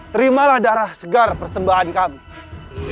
terimalah darah segar persembahan kami